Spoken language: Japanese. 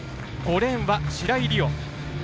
５レーンは白井璃緒。